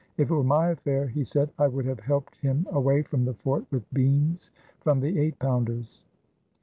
"If it were my affair," he said, "I would have helped him away from the fort with beans from the eight pounders."